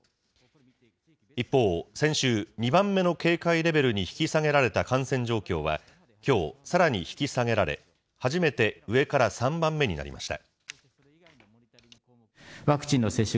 一方、先週、２番目の警戒レベルに引き下げられた感染状況は、きょう、さらに引き下げられ、初めて上から３番目になりました。